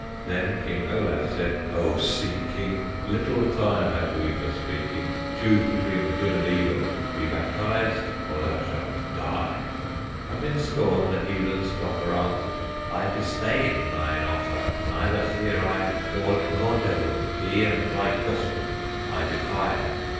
Then King Olaf said: "O Sea King! Little time have we for speaking, Choose between the good and evil; Be baptized, or thou shalt die!" But in scorn the heathen scoffer Answered: "I disdain thine offer; Neither fear I God nor Devil; Thee and thy Gospel I defy!"